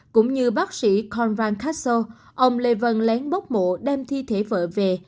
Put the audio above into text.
cũng như bác sĩ conran castle ông lê vân lén bốc mộ đem thi thể vợ về